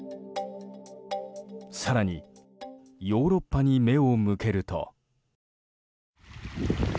更にヨーロッパに目を向けると。